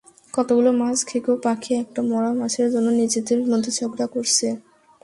কতগুলো মাছ খেকো পাখি একটা মরা মাছের জন্য নিজেদের মধ্যে ঝগড়া করছে।